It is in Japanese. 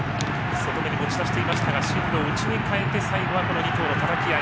外めに持ち出していましたが進路を内にかえて最後は２頭のたたきあい。